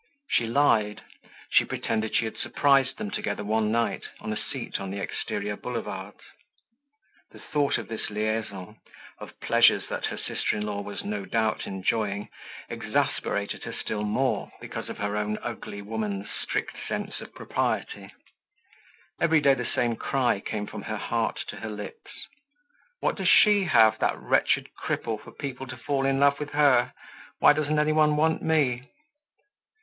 She lied—she pretended she had surprised them together one night on a seat on the exterior Boulevards. The thought of this liaison, of pleasures that her sister in law was no doubt enjoying, exasperated her still more, because of her own ugly woman's strict sense of propriety. Every day the same cry came from her heart to her lips. "What does she have, that wretched cripple, for people to fall in love with her? Why doesn't any one want me?"